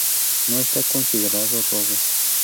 no está considerado robo